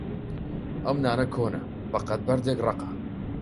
ئەم نانە کۆنە بەقەد بەردێک ڕەقە.